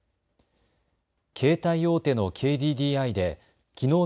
携帯大手のＫＤＤＩできのう